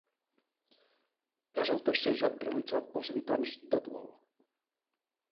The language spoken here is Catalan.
És el tercer joc realitzat pels habitants d'Oddworld.